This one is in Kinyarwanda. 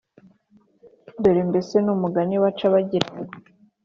dore mbese nk’umgani baca bagira ngo